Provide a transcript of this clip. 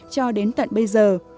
cho đến tận bây giờ